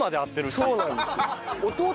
そうなんですよ。